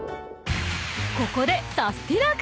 ［ここで］